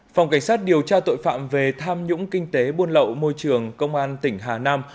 phòng cảnh sát điều tra tội phạm về tham nhũng kinh tế buôn lậu môi trường công an tỉnh hà nam